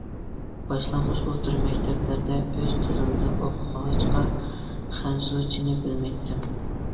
باشلانغۇچ، ئوتتۇرا مەكتەپلەردە ئۆز تىلىمدا ئوقۇغاچقا خەنزۇچىنى بىلمەيتتىم.